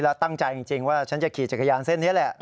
แล้วตั้งใจจริงว่าฉันจะขี่จักรยานเส้นนี้แหละ